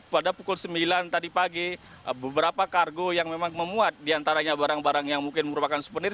pada pukul sembilan tadi pagi beberapa kargo yang memang memuat diantaranya barang barang yang mungkin merupakan suvenir